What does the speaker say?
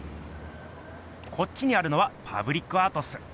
こっちにあるのはパブリックアートっす。